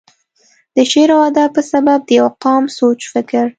دَ شعر و ادب پۀ سبب دَ يو قام سوچ فکر،